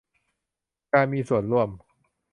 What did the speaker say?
การมีส่วนร่วม